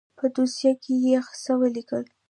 په دوسيه کښې يې څه وليکل.